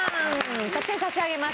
得点差し上げます。